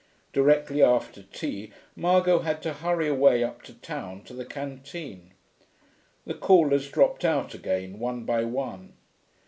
Directly after tea Margot had to hurry away up to town to the canteen. The callers dropped out again, one by one.